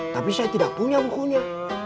tapi saya tidak punya bukunya